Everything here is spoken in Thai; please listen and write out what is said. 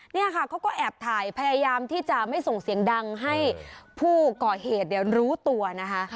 เนี่ยค่ะเขาก็แอบถ่ายพยายามที่จะไม่ส่งเสียงดังให้ผู้ก่อเหตุรู้ตัวนะคะ